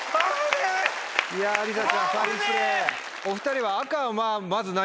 お２人は。